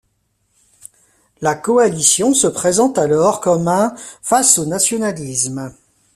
La coalition se présente alors comme un face au nationalisme.